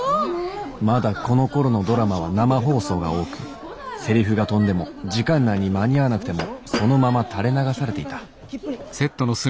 まだこのころのドラマは生放送が多くセリフが飛んでも時間内に間に合わなくてもそのまま垂れ流されていた。